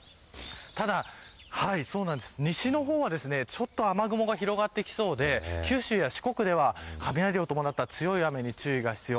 ただ、西の方はちょっと雨雲が広がってきそうで九州や四国では雷を伴った強い雨に注意が必要。